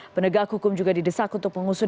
penegak hukum juga didesak untuk mengusut